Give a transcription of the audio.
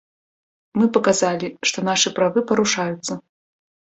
Мы паказалі, што нашы правы парушаюцца.